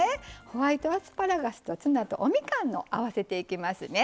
ホワイトアスパラガスとツナとおみかんの合わせていきますね。